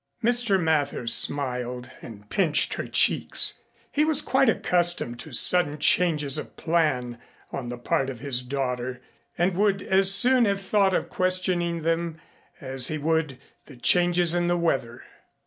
Mr. Mather smiled and pinched her cheeks. He was quite accustomed to sudden changes of plan on the part of his daughter and would as soon have thought of questioning them as he would the changes in the weather.